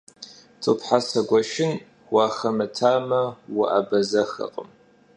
Tub hese gueşşım vuaxemıtame, vuabazexekhım.